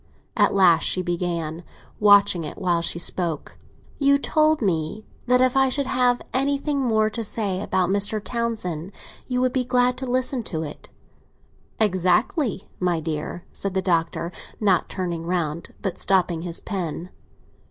At last she began, watching it while she spoke. "You told me that if I should have anything more to say about Mr. Townsend you would be glad to listen to it." "Exactly, my dear," said the Doctor, not turning round, but stopping his pen.